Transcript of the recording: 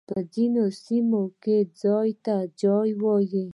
په ځينو سيمو کي ځای ته جای وايي.